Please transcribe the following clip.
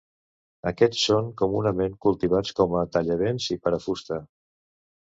Aquests són comunament cultivats com a tallavents i per a fusta.